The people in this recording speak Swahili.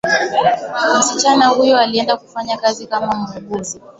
msichana huyo alienda kufanya kazi kama muuguzi